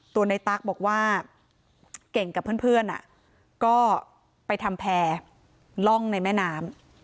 ในตั๊กบอกว่าเก่งกับเพื่อนก็ไปทำแพร่ร่องในแม่น้ำ